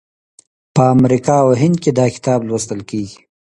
په امریکا او هند کې دا کتاب لوستل کیږي.